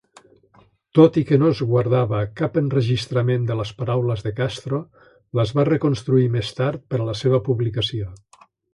Tot i que no es guardava cap enregistrament de les paraules de Castro, les va reconstruir més tard per a la seva publicació.